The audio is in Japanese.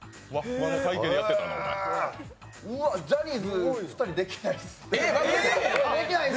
ジャニーズ２人できないです。